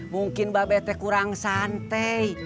mungkin mbak bete kurang santai